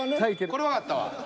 これわかったわ。